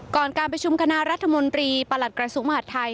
การประชุมคณะรัฐมนตรีประหลัดกระทรวงมหาดไทย